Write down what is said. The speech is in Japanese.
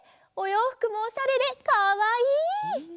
おようふくもおしゃれでかわいい！